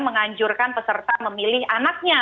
menganjurkan peserta memilih anaknya